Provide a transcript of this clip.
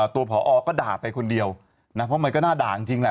ผอก็ด่าไปคนเดียวนะเพราะมันก็น่าด่าจริงแหละ